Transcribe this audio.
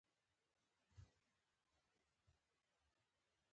جمهور رئیس د خلکو له خوا ټاکل کیږي.